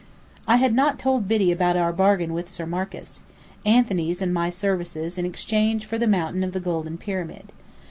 I had not told Biddy about our bargain with Sir Marcus: Anthony's and my services in exchange for the Mountain of the Golden Pyramid.